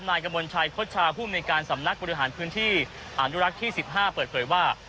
นายกมลชายพชผู้มีการสำนักบริหารพื้นที่อันดุลักษณ์ที่๑๕เปิดเผยว่า